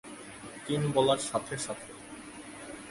তিন বলার সাথে সাথে।